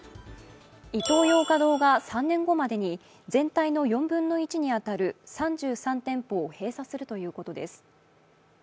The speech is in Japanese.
イトーヨーカドーが３年後までに全体の４分の１に当たる３３店舗を閉鎖するということです。